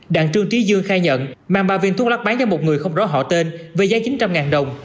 đặng trương trí dương khai nhận mang ba viên thuốc lắc bán cho một người không rõ họ tên với giá chín trăm linh đồng